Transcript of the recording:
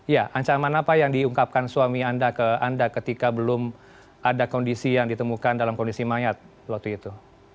ya ancaman apa yang diungkapkan suami anda ke anda ketika belum ada kondisi yang ditemukan dalam kondisi mayat waktu itu